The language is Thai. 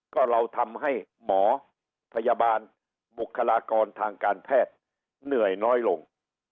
ก็เราทำให้หมอพยาบาลบุคลากรทางการแพทย์เหนื่อยน้อยลง